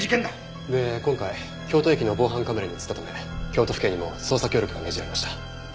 で今回京都駅の防犯カメラに映ったため京都府警にも捜査協力が命じられました。